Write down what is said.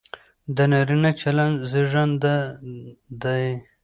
د نارينه چلن زېږنده دى،